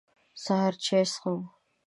سهار چاي څښم.